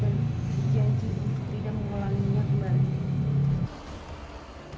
saya tidak akan mengulanginya kembali